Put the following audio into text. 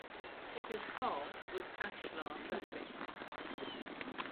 It is harled with ashlar dressings.